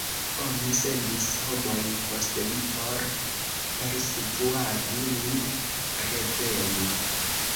Oni sendis homojn post li por persvuadi lin reveni.